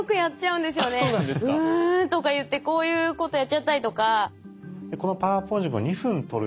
「うん」とか言ってこういうことやっちゃったりとか。